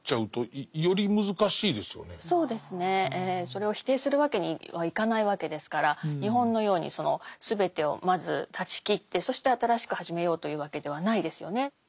それを否定するわけにはいかないわけですから日本のようにその全てをまず断ち切ってそして新しく始めようというわけではないですよね。